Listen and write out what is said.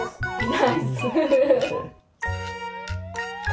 ナイス。